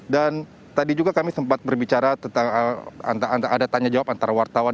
dan tadi juga kami sempat berbicara tentang ada tanya jawab antara wartawan